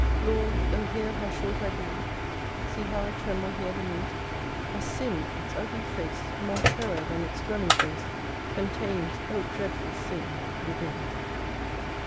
49 Lord! O hear how short I breathe ! See how I tremble here beneath A Sin ! Its ugly face More terror, than its dwelling place Contains (O dreadful Sin !) Within